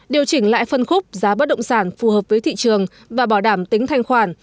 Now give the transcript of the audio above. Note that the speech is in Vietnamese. điều chỉnh lại phân khúc giá bất động sản phù hợp với thị trường và bảo đảm tính thanh khoản